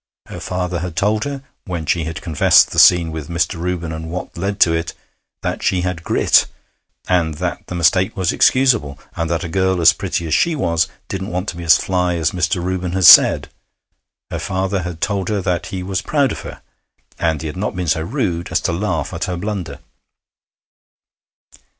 Her father had told her, when she had confessed the scene with Mr. Reuben and what led to it, that she had grit, and that the mistake was excusable, and that a girl as pretty as she was didn't want to be as fly as Mr. Reuben had said. Her father had told her that he was proud of her, and he had not been so rude as to laugh at her blunder.